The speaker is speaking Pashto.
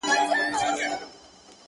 ته زموږ زړونه را سپين غوندي کړه,